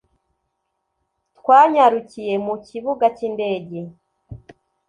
Twanyarukiye mu kibuga cy'indege.